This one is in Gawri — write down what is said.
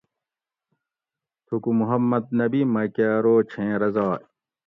تھوکو محمد نبی میکہ ارو چھیں رضاۓ